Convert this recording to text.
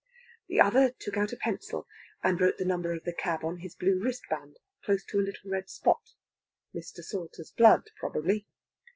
The other took out a pencil, and wrote the number of the cab on his blue wristband, close to a little red spot Mr. Salter's blood probably.